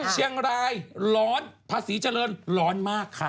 เชียงรายร้อนภาษีเจริญร้อนมากค่ะ